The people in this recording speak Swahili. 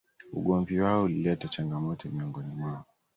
Ugomvi wao ulileta changamoto miongoni mwao